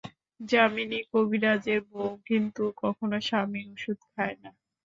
যামিনী কবিরাজের বৌ কিন্তু কখনো স্বামীর ওষুধ খায় না।